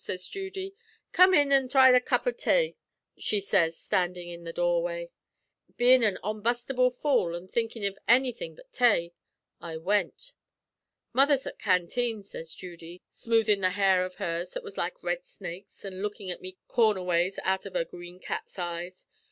sez Judy. 'Come in an' thry a cup av tay,' she sez, standin' in the doorway. "Bein' an onbustable fool, an' thinkin' av anythin' but tay, I wint." "'Mother's at canteen,' sez Judy, smoothin' the hair av hers that was like red snakes, an' lookin' at me corner ways out av her green cat's eyes.